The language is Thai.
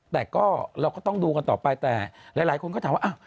แต่ก็เราก็ต้องดูกันต่อไปแต่หลายคนก็ถามว่า